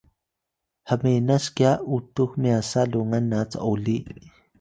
hmenas kya utux myasa lungan na c’oli